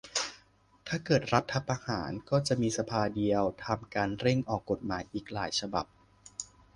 ถ้าเกิดรัฐประหารก็จะมีสภาเดียวทำการเร่งออกกฎหมายอีกหลายฉบับ